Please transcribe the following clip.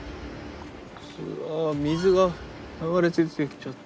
うわっ水が流れて出てきちゃって。